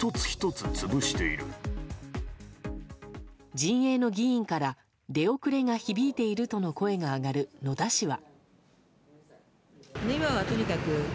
陣営の議員から出遅れが響いているとの声が上がる野田氏は。